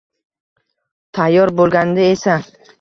Tayyor bo'lganida esa